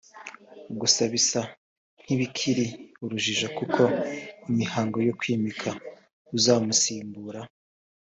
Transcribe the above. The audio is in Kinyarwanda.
Gusa bisa n’ibikiri urujijo kuko imihango yo kwimika uzamusimbura